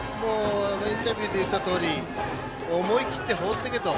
インタビューで言ったとおり思い切って放っていけと。